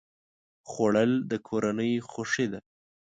خوړل د کورنۍ خوښي ده